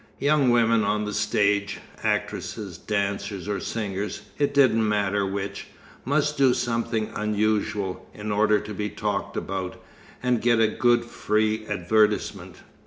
Young women on the stage actresses, dancers, or singers, it didn't matter which must do something unusual, in order to be talked about, and get a good free advertisement.